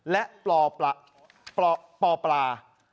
และปลาปลา